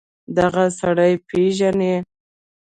دغه سړى پېژنې.